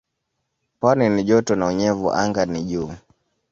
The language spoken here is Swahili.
Pwani ni joto na unyevu anga ni juu.